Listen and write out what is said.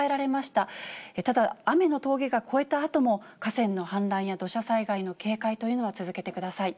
ただ、雨の峠が越えたあとも、河川の氾濫や土砂災害の警戒というのは続けてください。